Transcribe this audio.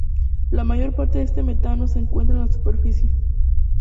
La mayor parte de este metano se encuentra en la superficie.